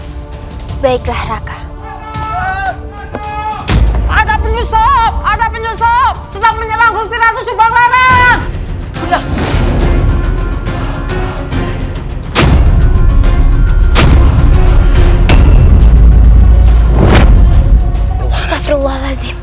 hanya dengan belia baiklah raka ada penyusup ada penyusup sedang menyerang kustiratu subang larang